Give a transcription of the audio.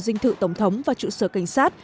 dinh thự tổng thống và trụ sở cảnh sát